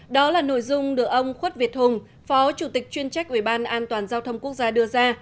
đó là nội dung được ông khuất việt hùng phó chủ tịch chuyên trách ủy ban an toàn giao thông quốc gia đưa ra